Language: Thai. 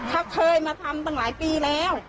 เขาเคยมาทำตั้งหลายปีแล้ว